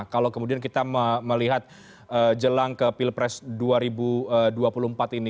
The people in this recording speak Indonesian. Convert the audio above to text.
kalau kemudian kita melihat jelang ke pilpres dua ribu dua puluh empat ini